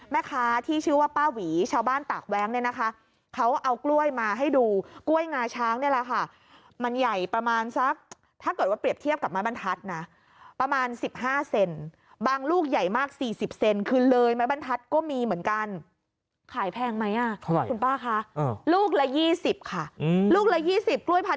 แม่ค้าที่ชื่อว่าป้าหวีชาวบ้านตากแว้งเนี่ยนะคะเขาเอากล้วยมาให้ดูกล้วยงาช้างเนี่ยแหละค่ะมันใหญ่ประมาณสักถ้าเกิดว่าเปรียบเทียบกับไม้บรรทัศน์นะประมาณ๑๕เซนบางลูกใหญ่มาก๔๐เซนคือเลยไม้บรรทัศน์ก็มีเหมือนกันขายแพงไหมอ่ะเท่าไหร่คุณป้าคะลูกละ๒๐ค่ะลูกละ๒๐กล้วยพัน